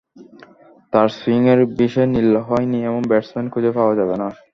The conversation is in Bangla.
তাঁর সুইংয়ের বিষে নীল হয়নি এমন ব্যাটসম্যান খুঁজে পাওয়া যাবে না।